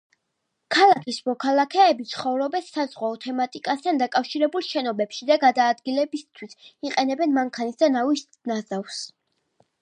ქალაქის მოქალაქეები ცხოვრობენ საზღვაო თემატიკასთან დაკავშირებულ შენობებში და გადაადგილებისთვის იყენებენ მანქანის და ნავის ნაზავს.